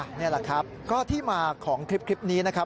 นี่แหละครับก็ที่มาของคลิปนี้นะครับ